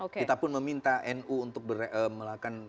kita pun meminta nu untuk melakukan